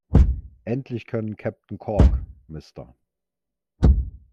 Endlich können Kapitän Kork, Mr.